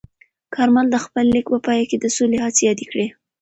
کارمل د خپل لیک په پای کې د سولې هڅې یادې کړې.